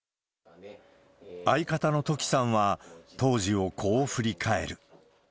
相方のトキさんは、当時をこう振り返る。